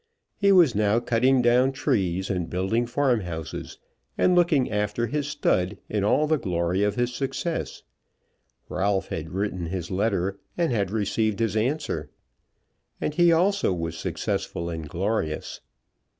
He was now cutting down trees and building farm houses, and looking after his stud in all the glory of his success. Ralph had written his letter, and had received his answer, and he also was successful and glorious.